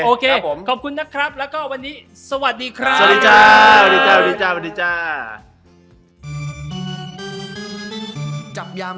โอเคขอบคุณนะครับแล้วก็วันนี้สวัสดีครับ